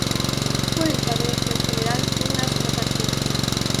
Fue el padre del general Douglas MacArthur.